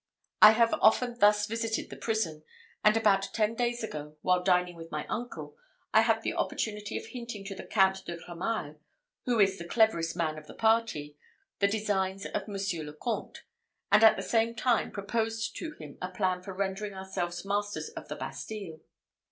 I have often thus visited the prison; and about ten days ago, while dining with my uncle, I had an opportunity of hinting to the Count de Cramail, who is the cleverest man of the party, the designs of Monsieur le Comte; and, at the same time, proposed to him a plan for rendering ourselves masters of the Bastille.